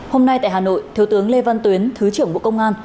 hôm nay tại hà nội thiếu tướng lê văn tuyến thứ trưởng bộ công an